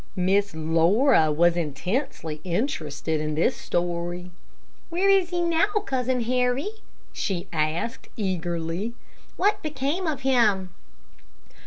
Miss Laura was intensely interested in this story. "Where is he now, Cousin Harry?" she asked, eagerly. "What became of him?"